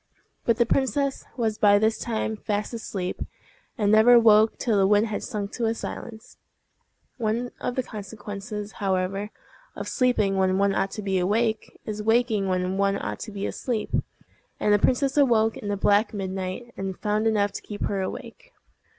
But the princess was by this time fast asleep, and never woke till the wind had sunk to silence. One of the consequences, however, of sleeping when one ought to be awake is waking when one ought to be asleep; and the princess awoke in the black midnight, and found enough to keep her awake.